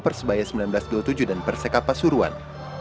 persebaya seribu sembilan ratus dua puluh tujuh dan perseka pasuruan